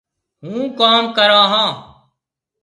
هوُن ڪوم ڪرون هون۔